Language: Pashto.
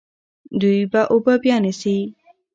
دوی به اوبه بیا نیسي.